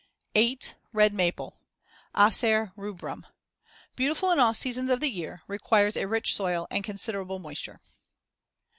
8. Red maple (Acer rubrum) Beautiful in all seasons of the year; requires a rich soil and considerable moisture.